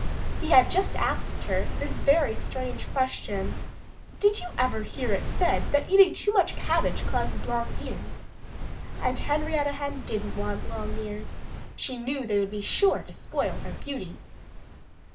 He had just asked her this strange question: "Did you ever hear it said that eating too much cabbage causes long ears?" And Henrietta Hen didn't want long ears. She knew they would be sure to spoil her beauty.